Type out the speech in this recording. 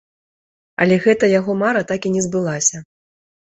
Але гэта яго мара так і не збылася.